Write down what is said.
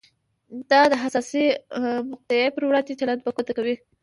دا د حساسې مقطعې پر وړاندې چلند په ګوته کوي.